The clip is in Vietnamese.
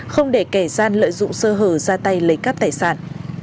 không để kẻ gian lợi dụng sơ hở ra tay lấy cắp tài sản